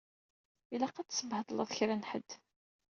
Ilaq ad tsebhedleḍ kra n ḥedd.